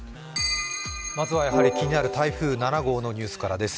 まずはやはり気になる台風７号のニュースからです。